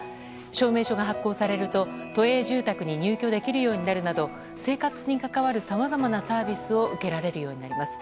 証明書が発行されると都営住宅に入居できるようになるなど生活に関わるさまざまなサービスを受けられるようになります。